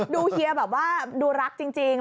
ดูเครียร์แบบว่าดูรักจริง